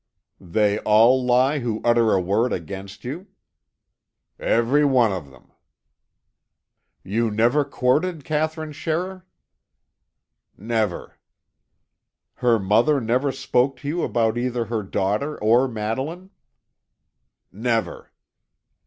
"They all lie who utter a word against you?" "Every one of them." "You never courted Katherine Scherrer?" "Never." "Her mother never spoke to you about either her daughter or Madeline?" "Never."